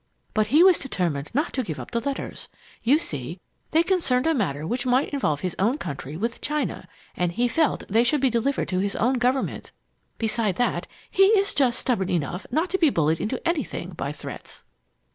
But he was determined not to give up the letters. You see, they concerned a matter that might involve his own country with China, and he felt they should be delivered to his own Government. Beside that, he is just stubborn enough not to be bullied into anything by threats.